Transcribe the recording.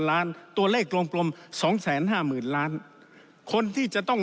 ล้านตัวเลขกลมสองแสนห้าหมื่นล้านคนที่จะต้อง